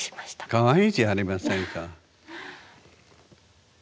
かわいいじゃありませんか。